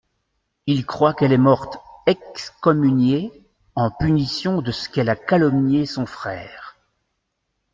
Il croit qu'elle est morte «excommuniée», en punition de ce qu'elle a calomnié son frère.